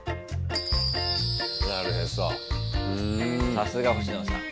さすが星野さん。